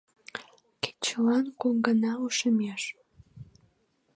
Кечылан кок гана ошемеш.